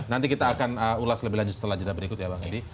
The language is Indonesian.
nanti kita akan ulas lebih lanjut setelah jeda berikut ya bang edi